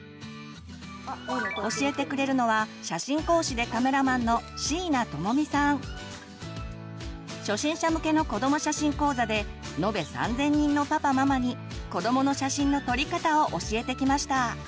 教えてくれるのは初心者向けの子ども写真講座で延べ３，０００人のパパママに子どもの写真の撮り方を教えてきました。